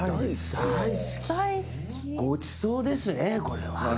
ごちそうですねこれは。